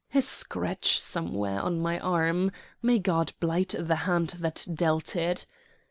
"A scratch somewhere on my arm may God blight the hand that dealt it!"